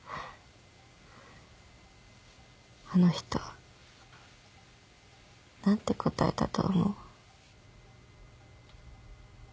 あの人何て答えたと思う？